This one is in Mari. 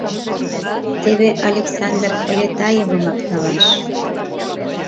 Теве Александр Полетаевымак налаш...